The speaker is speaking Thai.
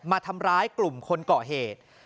มาทำร้ายกลุ่มคนก่อเหตุ